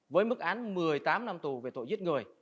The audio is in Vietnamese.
với mức án một mươi tám năm tù về tội giết người